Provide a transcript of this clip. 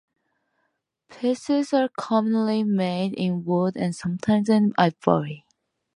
Pieces are commonly made in wood and sometimes in ivory.